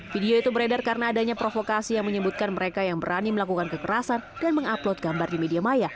video itu beredar karena adanya provokasi yang menyebutkan mereka yang berani melakukan kekerasan dan mengupload gambar di media maya